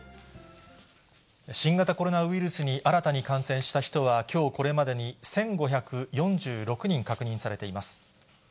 新型コロナウイルスに新たに感染した人は、きょうこれまでに１５４６人確認されています。